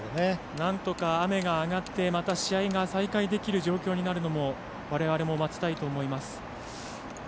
なんとか雨が上がってまた試合が再開できる状況になるのをわれわれも待ちたいと思います。